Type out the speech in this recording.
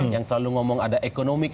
yang selalu ngomong ada ekonomi